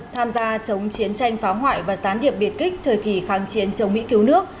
tham gia chống chiến tranh phá hoại và gián điệp biệt kích thời kỳ kháng chiến chống mỹ cứu nước